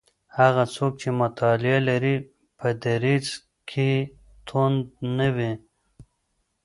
هغه څوک چي مطالعه لري په دریځ کي توند نه وي.